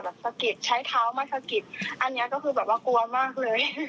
สะกิดใช้เท้ามาสะกิดอันนี้ก็คือแบบว่ากลัวมากเลย